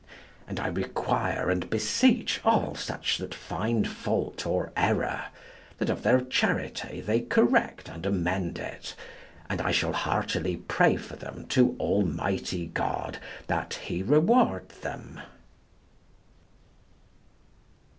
And I require and beseech all such that find fault or error, that of their charity they correct and amend it, and I shall heartily pray for them to Almighty God, that he reward them.